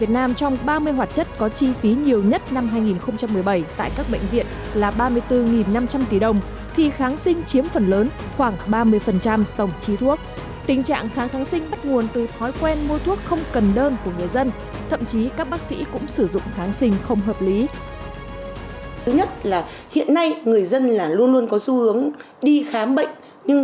thứ nhất là hiện nay người dân là luôn luôn có xu hướng đi khám bệnh